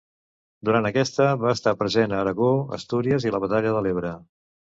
Durant aquesta, va estar present a Aragó, Astúries i la batalla de l'Ebre.